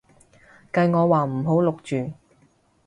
計我話唔好錄住